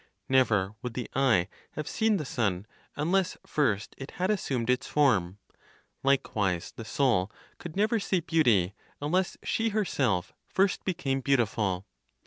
Never would the eye have seen the sun unless first it had assumed its form; likewise, the soul could never see beauty, unless she herself first became beautiful.